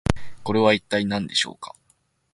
これは一体何でしょうか？